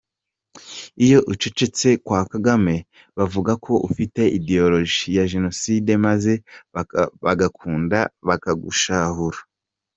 Iyo ucecetse kwa Kagame, bavuga ko ufite idéologie ya génocide, maze bagakunda bakagushahura!